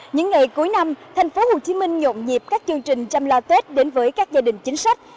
những ngày cuối năm thành phố hồ chí minh nhộn nhịp các chương trình chăm lo tết đến với các gia đình chính sách